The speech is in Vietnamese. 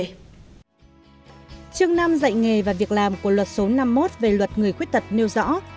trường năm dạy nghề và việc làm của luật số năm mươi một về luật người khuyết tật nêu rõ